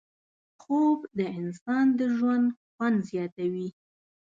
خوب د انسان د ژوند خوند زیاتوي